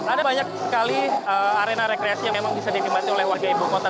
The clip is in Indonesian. ada banyak sekali arena rekreasi yang memang bisa dinikmati oleh warga ibu kota